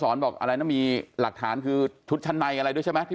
บอกอะไรนะมีหลักฐานคือชุดชั้นในอะไรด้วยใช่ไหมที่